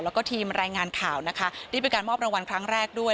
แล้วก็ทีมรายงานข่าวนะคะนี่เป็นการมอบรางวัลครั้งแรกด้วย